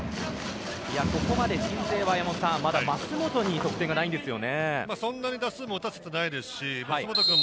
ここまで鎮西は舛本に得点がないんですね。